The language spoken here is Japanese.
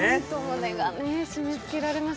胸が締めつけられます。